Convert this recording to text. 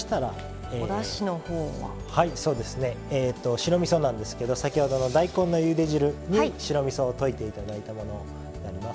白みそなんですけど先ほどの大根のゆで汁に白みそを溶いて頂いたものになります。